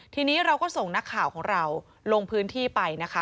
ทีนี้เราก็ส่งนักข่าวของเราลงพื้นที่ไปนะคะ